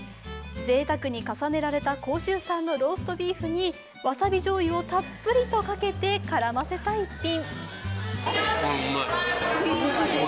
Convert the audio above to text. ぜいたくに重ねられた甲州産のローストビーフにわさびじょうゆをたっぷりとかけた絡ませた１品。